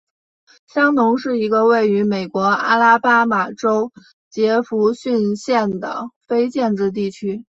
香农是一个位于美国阿拉巴马州杰佛逊县的非建制地区。